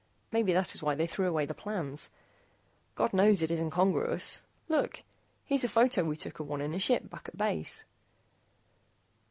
Maybe that is why they threw away the plans. God knows, it is incongruous. Look! Here's a photo we took of one in a ship back at base."